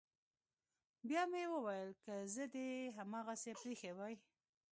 بيا مې وويل که زه دې هماغسې پريښى واى.